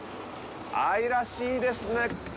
愛らしいですね、この。